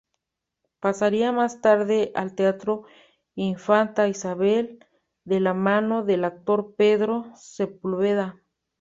Pasaría más tarde al Teatro Infanta Isabel, de la mano del actor Pedro Sepúlveda.